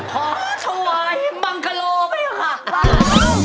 ขอทวายบังกะโลกก่อนค่ะนี่ค่ะว้าว